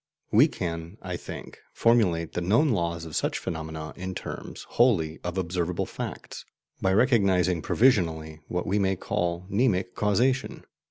We can, I think, formulate the known laws of such phenomena in terms, wholly, of observable facts, by recognizing provisionally what we may call "mnemic causation."